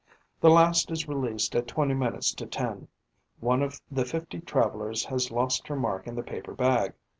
The last is released at twenty minutes to ten. One of the fifty travellers has lost her mark in the paper bag.